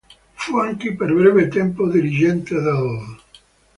Fu anche per breve tempo dirigente dell'.